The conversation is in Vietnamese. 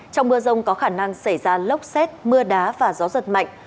trong mưa rông có khả năng xảy ra lốc xét mưa đá và gió giật mạnh